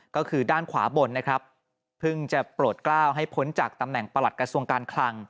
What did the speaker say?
ก็คือด้านขวาบนนะครับเพิ่งจะโปรดกล้าวให้พ้นจากตำแหน่งประหลัดกระทรวงการคลัง